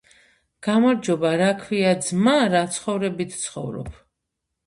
გამარჯობა რა ქვია ძმა რა ცხოვრებით ცხოვრობ